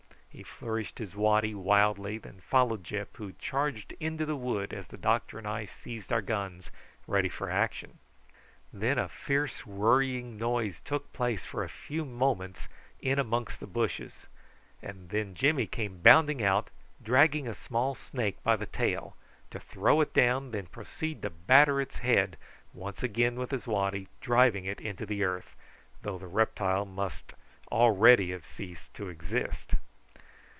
He flourished his waddy wildly, and then followed Gyp, who charged into the wood as the doctor and I seized our guns, ready for action. Then a fierce worrying noise took place for a few moments in amongst the bushes, and then Jimmy came bounding out, dragging a small snake by the tail, to throw it down and then proceed to batter its head once again with his waddy, driving it into the earth, though the reptile must already have ceased to exist.